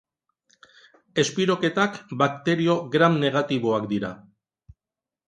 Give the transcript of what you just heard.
Espiroketak bakterio Gram negatiboak dira.